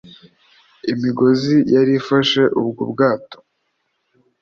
imigozi yari ifashe ubwo bwato